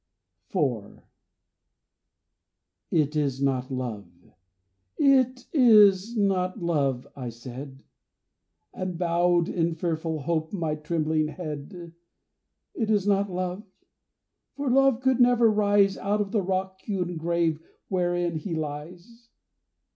IV. "It is not Love, it is not Love," I said, And bowed in fearful hope my trembling head. "It is not Love, for Love could never rise Out of the rock hewn grave wherein he lies."